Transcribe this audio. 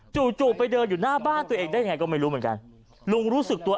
จู่ไปเดินอยู่หน้าบ้านตัวเองได้ยังไงก็ไม่รู้เหมือนกันลุงรู้สึกตัว